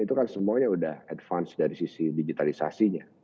itu kan semuanya sudah advance dari sisi digitalisasinya